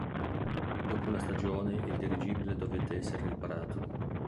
Dopo una stagione il dirigibile dovette essere riparato.